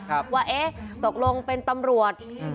ครับว่าเอ๊ะตกลงเป็นตำรวจอืม